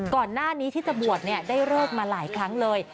ก่อนที่จะบวชได้เลิกมาหลายครั้งเลย